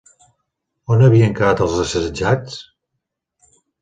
On havien quedat els assetjats?